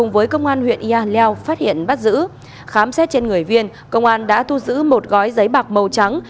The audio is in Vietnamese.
với công an huyện yà leo phát hiện bắt giữ khám xét trên người viên công an đã thu giữ một gói giấy bạc màu trắng